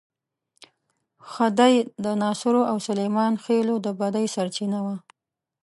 خدۍ د ناصرو او سلیمان خېلو د بدۍ سرچینه وه.